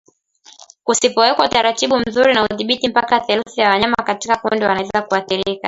Kusipowekwa utaratibu mzuri na udhibiti mpaka theluthi ya wanyama katika kundi wanaweza kuathirika